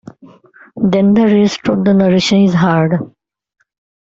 Then the rest of the narration is heard.